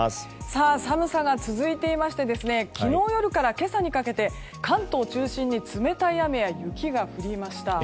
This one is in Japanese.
寒さが続いていまして昨日夜から今朝にかけて関東中心に冷たい雨や雪が降りました。